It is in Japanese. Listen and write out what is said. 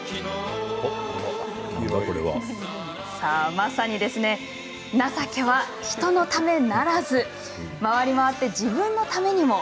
まさに、情けは人のためならず回り回って自分のためにも！